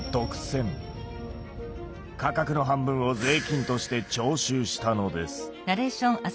価格の半分を税金として徴収したのです。